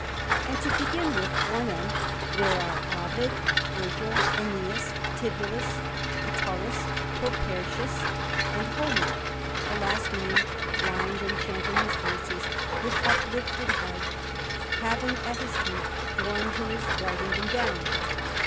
And to begin with one end, there are Ovid, Virgil, Ennius, Tibullus, Catullus, Propertius, and Homer; the last named, blind and chanting his verses with uplifted head, having at his feet one who is writing them down.